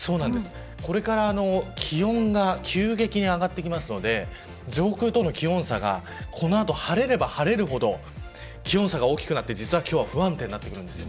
これから気温が急激に上がってきますので上空との気温差がこの後、晴れれば晴れるほど気温差が大きくなって今日は不安定になってきます。